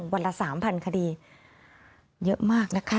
วันละ๓๐๐คดีเยอะมากนะคะ